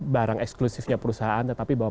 barang eksklusifnya perusahaan tetapi bahwa